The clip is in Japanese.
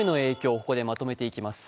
ここで、まとめていきます。